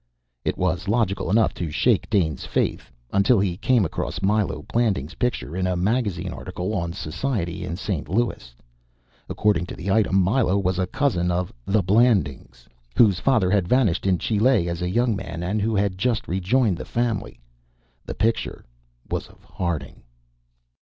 It was logical enough to shake Dane's faith, until he came across Milo Blanding's picture in a magazine article on society in St. Louis. According to the item, Milo was a cousin of the Blandings, whose father had vanished in Chile as a young man, and who had just rejoined the family. The picture was of Harding!